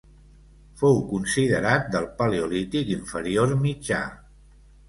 Fou considerat del Paleolític Inferior Mitjà.